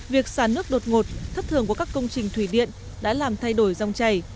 việc xả nước đột ngột thất thường của các công trình thủy điện đã làm thay đổi dòng chảy